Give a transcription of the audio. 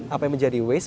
apa yang menjadi waste